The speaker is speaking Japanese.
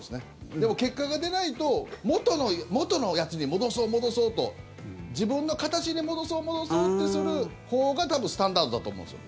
でも、結果が出ないと元のやつに戻そう、戻そうと自分の形に戻そう、戻そうってするほうが多分スタンダードだと思うんですよ。